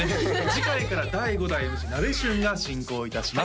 次回から第５代ＭＣなべしゅんが進行いたします